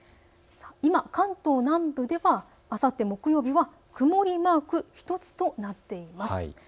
今、関東南部ではあさって木曜日は曇りマーク１つとなっています。